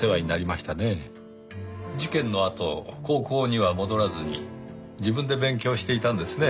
事件のあと高校には戻らずに自分で勉強していたんですね。